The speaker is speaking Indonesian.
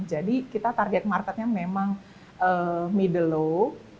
jadi kita target marketnya memang middle low